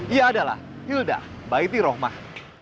ia adalah hilda baiti rohmah